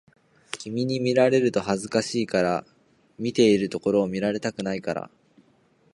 君に見られると恥ずかしいから、見ているところを見られたくないから